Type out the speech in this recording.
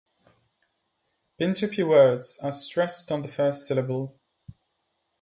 Pintupi words are stressed on the first syllable.